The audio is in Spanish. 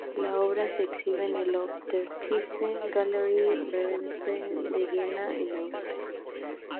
La obra se exhibe en la Österreichische Galerie Belvedere de Viena, en Austria.